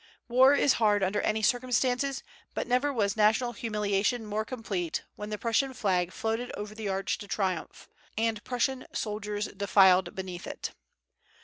War is hard under any circumstances, but never was national humiliation more complete than when the Prussian flag floated over the Arc de Triomphe, and Prussian soldiers defiled beneath it.